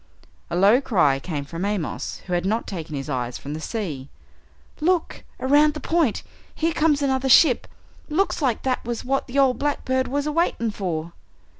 A low cry came from Amos, who had not taken his eyes from the sea. "Look! Around the point! Here comes another ship looks like that was what the ol' blackbird was a waiting for!"